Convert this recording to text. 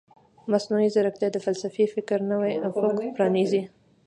مصنوعي ځیرکتیا د فلسفي فکر نوی افق پرانیزي.